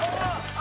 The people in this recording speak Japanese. あ！